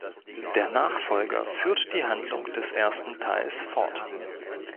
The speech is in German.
Der Nachfolger führt die Handlung des ersten Teils fort.